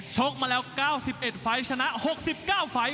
ชกมาแล้ว๙๑ไฟล์ชนะ๖๙ไฟล์